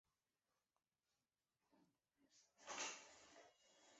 恩斯多夫是奥地利下奥地利州阿姆施泰滕县的一个市镇。